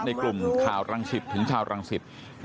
ในกลุ่มข่าวรังสิทธิ์ถึงข่าวรังสิทธิ์